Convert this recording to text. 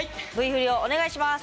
Ｖフリをお願いします。